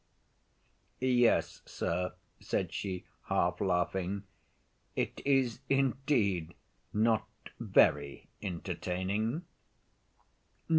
"Yes, sir," said she half laughing, "it is indeed not very entertaining!"